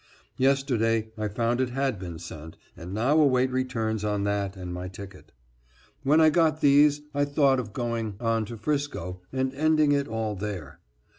Yesterday I found it had been sent, and now await returns on that and my ticket. When I got these I thought of going on to Frisco and ending it all there.